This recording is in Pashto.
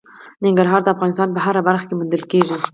ننګرهار د افغانستان په هره برخه کې موندل کېږي.